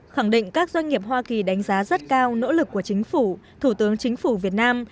khẳng định các doanh nghiệp hoa kỳ đánh giá rất cao nỗ lực của chính phủ thủ tướng chính phủ việt nam